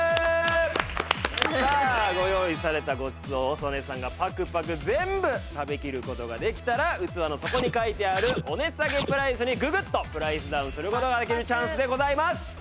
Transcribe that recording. さあご用意されたごちそうを曽根さんがパクパク全部食べきる事ができたら器の底に書いてあるお値下げプライスにググッとプライスダウンする事ができるチャンスでございます。